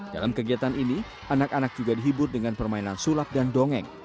dalam kegiatan ini anak anak juga dihibur dengan permainan sulap dan dongeng